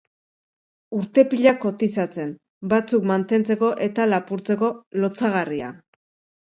Urte pila kotizatzen, batzuk mantentzeko eta lapurtzeko, lotsagarria.